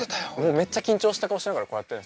めっちゃ緊張した顔しながらこうやってるんです。